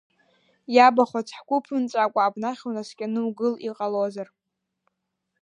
Иабихәац, ҳгәы ԥымҵәакәа абнахь унаскьаны угыл, иҟалозар!